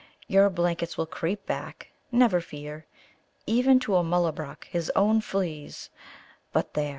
Your blankets will creep back, never fear. Even to a Mullabruk his own fleas! But, there!